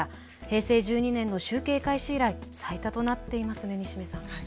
平成１２年の集計開始以来最多となっていますね西銘さん。